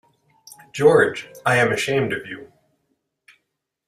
George, I am ashamed of you!